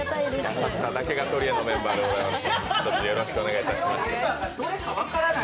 優しさだけが取り柄のメンバーでございます。